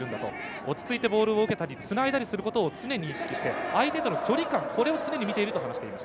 落ち着いてボールを受けたりつないだりすることを意識して、相手との距離感を常に見ていると話しています。